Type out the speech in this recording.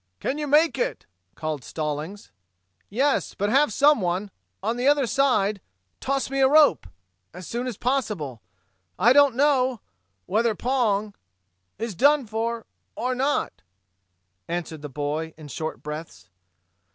"Can you make it?" called Stallings. "Yes. But have some one on the other side toss me a rope as soon as possible. I don't know whether Pong is done for or not," answered the boy in short breaths.